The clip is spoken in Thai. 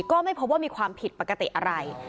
ก็ไม่พบว่ามีความผิดปกติอะไร